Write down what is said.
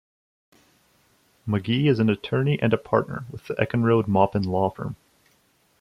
Magee is an attorney and a partner with the Eckenrode-Maupin Law Firm.